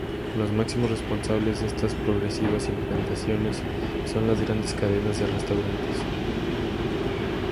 Los máximos responsables de esta progresiva implantación son las grandes cadenas de restaurantes.